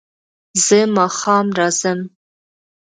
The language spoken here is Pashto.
زه ماښام راځم